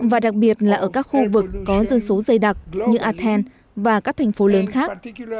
và đặc biệt là ở các khu vực có dân số dây đặc như athens và các thành phố lớn khác